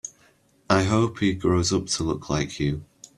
I hope he grows up to look like you.